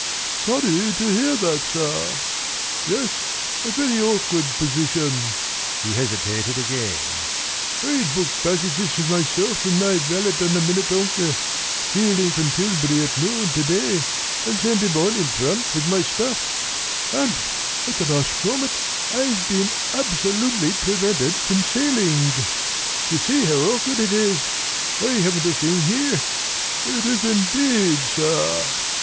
"Sorry to hear that, sir." "Yes, a very awkward position." He hesitated again. "I'd booked passages for myself and my valet on the Minnetonka, sailing from Tilbury at noon to day, and sent him on in front with my stuff, and at the very last moment I've been absolutely prevented from sailing! You see how awkward it is! I haven't a thing here." "It is indeed, sir!